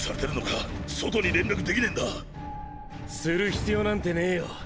する必要なんてねぇよ。